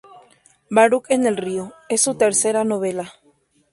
Baruc en el río es su tercera novela.